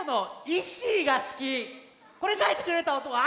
これかいてくれたああ！